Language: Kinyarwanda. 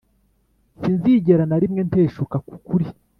sinzigera na rimwe nteshuka ku kuri,